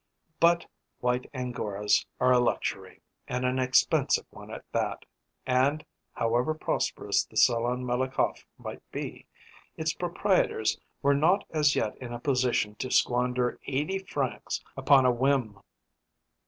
But white angoras are a luxury, and an expensive one at that, and, however prosperous the Salon Malakoff might be, its proprietors were not as yet in a position to squander eighty francs upon a whim.